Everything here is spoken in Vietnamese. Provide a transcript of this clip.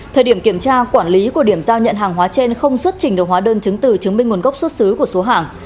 thời điểm kiểm tra quản lý của điểm giao nhận hàng hóa trên không xuất trình được hóa đơn chứng từ chứng minh nguồn gốc xuất xứ của số hàng